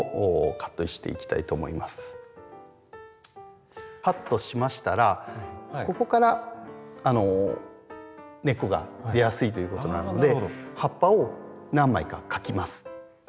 カットしましたらここから根っこが出やすいということなので葉っぱを何枚かかきます。